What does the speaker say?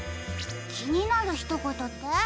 きになるひとことって？